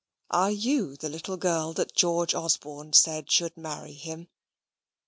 Are you the little girl that George Osborne said should marry him?